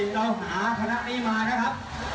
เราหาคณะนี้มานะครับ